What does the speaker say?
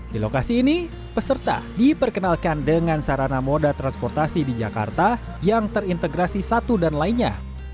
di lokasi ini peserta diperkenalkan dengan sarana moda transportasi di jakarta yang terintegrasi satu dan lainnya